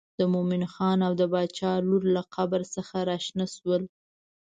د مومن خان او د باچا لور له قبر څخه راشنه شول.